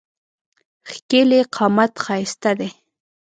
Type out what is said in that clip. ښکېلی قامت ښایسته دی.